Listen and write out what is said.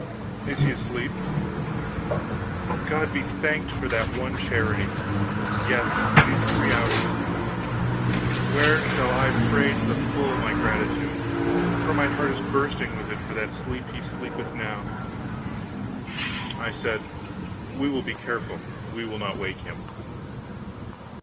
"Is he asleep?" "God be thanked for that one charity, yes these three hours. Where shall I pay to the full, my gratitude! for my heart is bursting with it for that sleep he sleepeth now." I said: "We will be careful. We will not wake him."